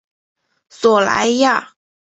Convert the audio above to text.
索莱亚。